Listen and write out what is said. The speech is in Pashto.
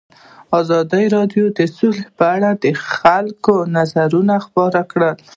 ازادي راډیو د سوله په اړه د خلکو نظرونه خپاره کړي.